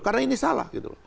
karena ini salah